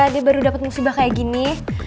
dia baru dapat musibah kayak gini